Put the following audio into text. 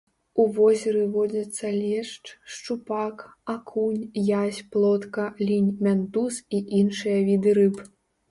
У возеры водзяцца лешч, шчупак, акунь, язь, плотка, лінь, мянтуз і іншыя віды рыб.